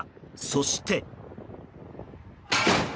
そして。